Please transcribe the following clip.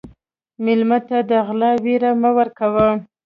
مېلمه ته د غلا وېره مه ورکوه.